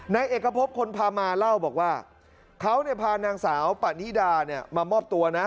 นายเอกพบคนพามาเล่าว่าเขาพานางสาวปานิดามามอบตัวนะ